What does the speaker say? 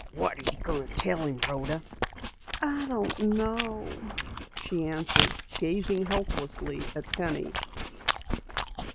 "What are you going to tell him Rhoda?" "I don't know," she answered, gazing helplessly at Penny.